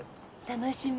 楽しみ！